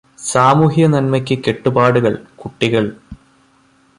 സാമൂഹ്യനന്മയ്കു കെട്ടുപാടുകള് കുട്ടികള്